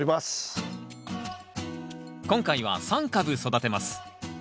今回は３株育てます。